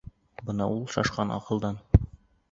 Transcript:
Бына ул шашҡан аҡылдан!